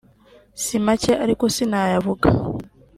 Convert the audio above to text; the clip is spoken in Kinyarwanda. si make ariko sinayavuga